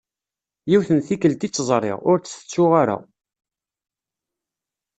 Yiwet n tikelt i tt-ẓriɣ, ur tt-tettuɣ ara.